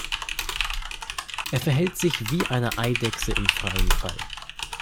Er verhält sich wie eine Eidechse im freien Fall.